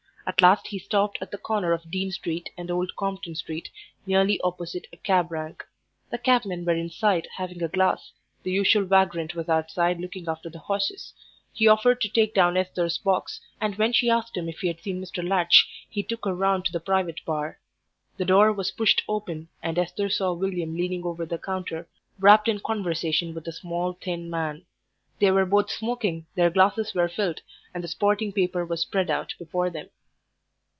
At last he stopped at the corner of Dean Street and Old Compton Street, nearly opposite a cab rank. The cabmen were inside, having a glass; the usual vagrant was outside, looking after the horses. He offered to take down Esther's box, and when she asked him if he had seen Mr. Latch he took her round to the private bar. The door was pushed open, and Esther saw William leaning over the counter wrapped in conversation with a small, thin man. They were both smoking, their glasses were filled, and the sporting paper was spread out before them.